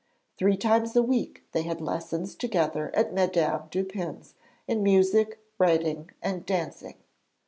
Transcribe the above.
Three times a week they had lessons together at Madame Dupin's in music, writing, and dancing.